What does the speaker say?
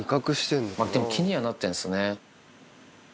でも気にはなってるんですね。